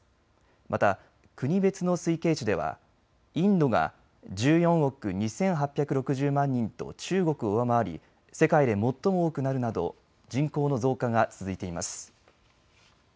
また国別の推計値ではインドが１４億２８６０万人と中国を上回り世界で最も多くなるなど人口の増加が続いています。